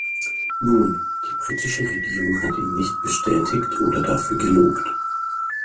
Nun, die britische Regierung hat ihn nicht bestätigt oder dafür gelobt.